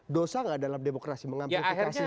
dosa gak dalam demokrasi mengamplifikasi